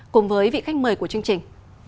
cùng với vị khách mời của chương trình